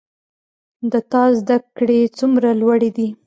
د تا زده کړي څومره لوړي دي